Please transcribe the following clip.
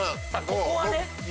ここはね。